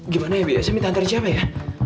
gimana ya bi saya minta hantarin siapa ya